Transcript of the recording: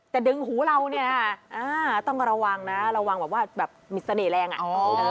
แต่ดึงหูเราเนี่ยต้องระวังนะระวังแบบว่าแบบมีเสน่หแรงอ่ะ